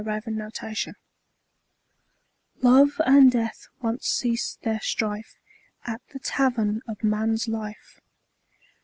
THE EXPLANATION Love and Death once ceased their strife At the Tavern of Man's Life.